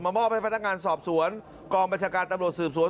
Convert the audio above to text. มอบให้พนักงานสอบสวนกองบัญชาการตำรวจสืบสวน